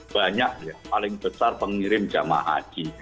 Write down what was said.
banyak ya paling besar pengirim jamaah haji